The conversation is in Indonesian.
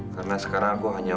karena sekarang aku hanya